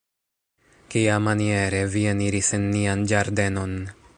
Kiamaniere vi eniris en nian ĝardenon.